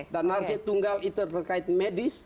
dan narasi tunggal itu terkait medis